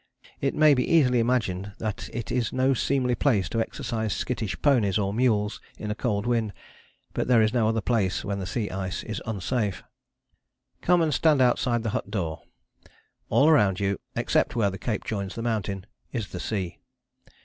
It may be easily imagined that it is no seemly place to exercise skittish ponies or mules in a cold wind, but there is no other place when the sea ice is unsafe. Come and stand outside the hut door. All round you, except where the cape joins the mountain, is the sea.